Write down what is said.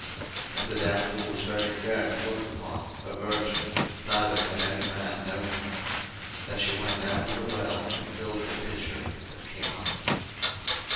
01:024:016 And the damsel was very fair to look upon, a virgin, neither had any man known her: and she went down to the well, and filled her pitcher, and came up.